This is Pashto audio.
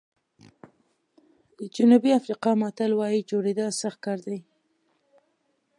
د جنوبي افریقا متل وایي جوړېدل سخت کار دی.